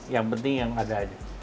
yang penting yang ada aja